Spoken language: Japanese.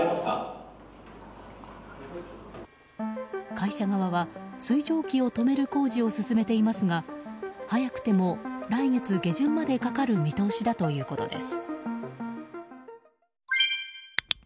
会社側は水蒸気を止める工事を進めていますが早くても来月下旬までかかる見通しだということです。